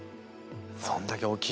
そんだけ大きい？